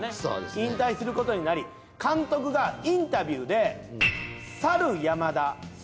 引退することになり監督がインタビューで。